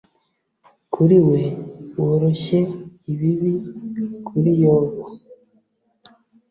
kuri we woroshye ibibi kuri yobu